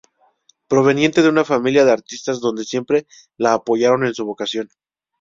Proveniente de una familia de artistas, donde siempre la apoyaron en su vocación.